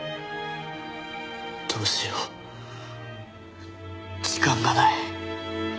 どうしよう時間がない。